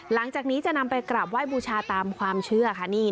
หลังจากนี้จะนำไปกราบไหว้บูชาตามความเชื่อค่ะ